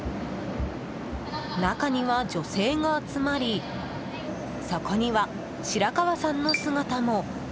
中には女性が集まりそこには白河さんの姿も。